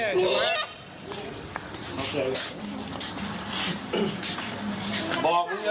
มึงอยากเน่นะ